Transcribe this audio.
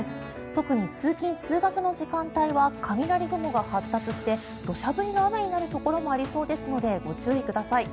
特に通勤・通学の時間帯は雷雲が発達して土砂降りの雨になるところもありそうですのでご注意ください。